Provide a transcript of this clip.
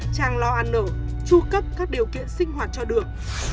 trang lo ăn nở tru cấp các điều kiện sinh hoạt cho được